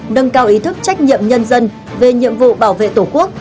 nâng cao ý thức trách nhiệm nhân dân về nhiệm vụ bảo vệ tổ quốc